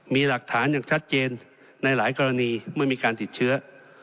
มีหลักฐานอย่างชัดเจนในหลายกรณีเมื่อมีการติดเชื้อ